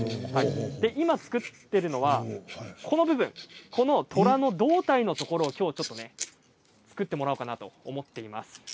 今、作っているのはこの、とらの胴体のところをきょう、ちょっと作ってもらおうかなと思っています。